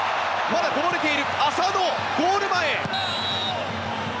まだこぼれている浅野、ゴール前。